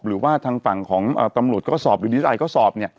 หรือว่าทางฝั่งของตำรวจเขาสอบหรือดีตรายเขาสอบ